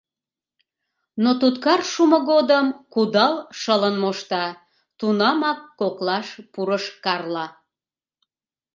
— Но туткар шумо годым кудал шылын мошта, — тунамак коклаш пурыш Карла.